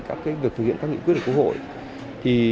các việc thực hiện các nghị quyết của quốc hội